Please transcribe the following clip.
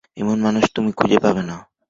এমন মানুষ তুমি খুঁজে পাবে না!